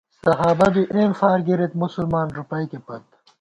صحابہؓ بی اېن فار گِرِت، مسلمان ݫُپَئیکےپت